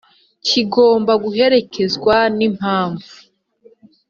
kigomba guherekezwa n impamvu